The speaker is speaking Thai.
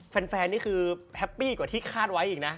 แฟนนี่คือแฮปปี้กว่าที่คาดไว้อีกนะ